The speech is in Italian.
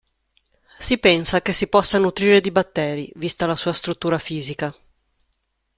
Si pensa che si possa nutrire di batteri, vista la sua struttura fisica.